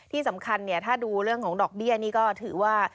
ที่สำคัญเนี่ยถ้าดูเรื่องของดอกเบี้ยนี่ก็ถือว่า